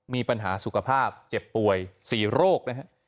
มีปัญหาสุขภาพเจ็บป่วย๔โรคนะฮะ